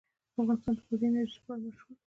افغانستان د بادي انرژي لپاره مشهور دی.